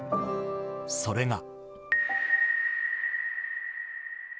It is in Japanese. それが。